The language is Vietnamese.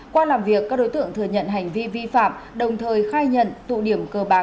qua làm việc các đối tượng thừa nhận hành vi vi phạm đồng thời khai nhận tụ điểm cờ bạc